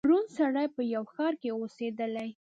ړوند سړی په یوه ښار کي اوسېدلی